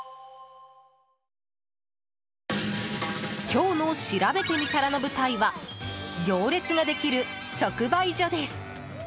今日のしらべてみたらの舞台は行列ができる直売所です。